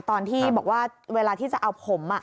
ตอนที่บอกว่าเวลาที่จะเอาผม